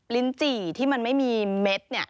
ลินจี่ที่มันไม่มีเม็ดเนี่ย